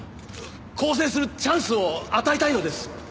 更生するチャンスを与えたいのです。